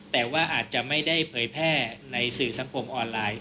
แต่ว่าอาจจะไม่ได้เผยแพร่ในสื่อสังคมออนไลน์